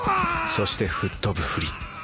そして吹っ飛ぶふり